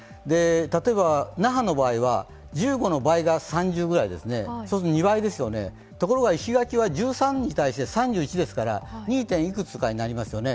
例えば那覇の場合は１５の倍が３０ぐらいですね、そうすると２倍ですね、ところが石垣は１３に対して３１ですから、２．いくつになりますよね。